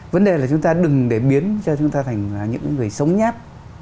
vấn đề là chúng ta đừng để biến cho chúng ta thành những người sống nháp